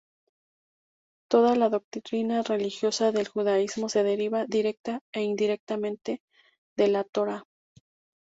Toda la doctrina religiosa del judaísmo se deriva, directa o indirectamente, de la Torah.